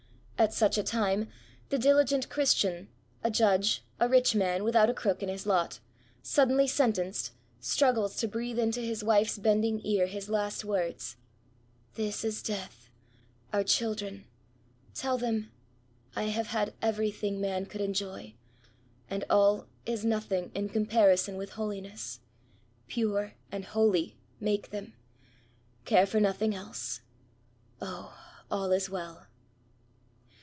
At such a time, the diligent Christian— a judge, a rich man, without a crook in his lot — suddenly sentenced, struggles to breathe into his wife's bending ear his last words :" This is death 1 Our children ... tell them— I have had every thing man could enjoy ... and all is nothing in comparison with holiness. Pure and holy — ^make them. Care for nothing else! 0! all is well!"